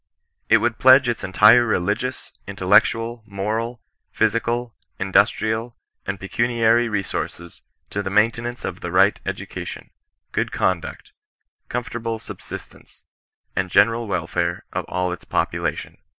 It would pledge its entire religious, intellectual, moral, physical, industrial, and pecuniary resources to the main tenance of the right education, good conduct, comfort able subsistence, and general welfare of all its popu lation.